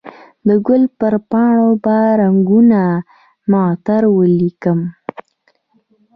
د ګل پر پاڼو به رنګونه معطر ولیکم